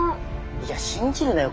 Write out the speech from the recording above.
いや信じるなよ